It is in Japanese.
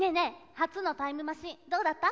初のタイムマシンどうだった？